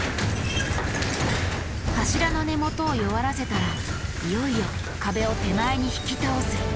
柱の根元を弱らせたらいよいよ壁を手前に引き倒す。